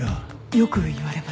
よく言われます。